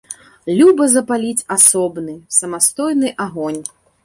Люба запаліць асобны, самастойны агонь.